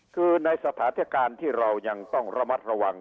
คือในสถานการณ์ที่เรายังต้องระมัดระวัง